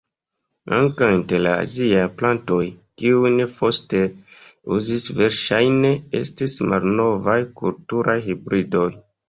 Ankaŭ inter la aziaj plantoj, kiujn Foster uzis verŝajne estis malnovaj kulturaj hibridoj.